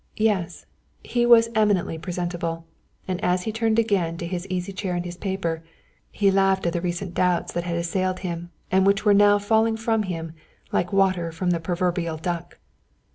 Yes, he was eminently presentable, and as he turned again to his easy chair and his paper, he laughed at the recent doubts that had assailed him and which now were falling from him like water from the proverbial duck.